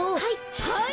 はい。